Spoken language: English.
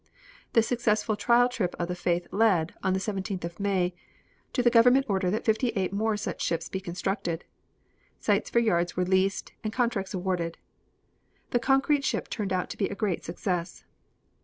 The successful trial trip of the Faith led, on the 17th of May, to the government order that fifty eight mere such ships be constructed. Sites for yards were leased and contracts awarded. The concrete ship turned out to be a great success.